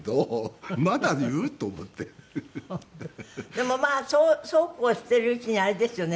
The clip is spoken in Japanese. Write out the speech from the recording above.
でもまあそうこうしているうちにあれですよね